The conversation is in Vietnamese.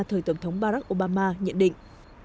thời tổng thống barack obama nhận định